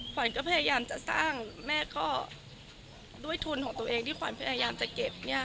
ขวัญก็พยายามจะสร้างแม่ก็ด้วยทุนของตัวเองที่ขวัญพยายามจะเก็บ